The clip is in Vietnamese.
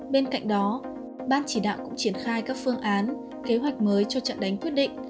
bên cạnh đó ban chỉ đạo cũng triển khai các phương án kế hoạch mới cho trận đánh quyết định